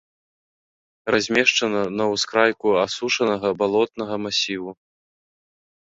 Размешчана на ўскрайку асушанага балотнага масіву.